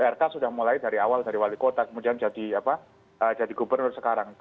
rk sudah mulai dari awal dari wali kota kemudian jadi gubernur sekarang